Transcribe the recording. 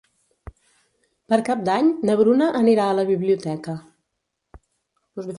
Per Cap d'Any na Bruna anirà a la biblioteca.